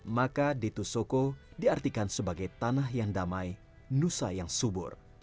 maka detu soko diartikan sebagai tanah yang damai nusa yang subur